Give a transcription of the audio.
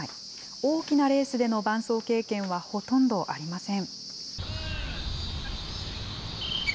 大きなレースでの伴走経験はほとんどありません。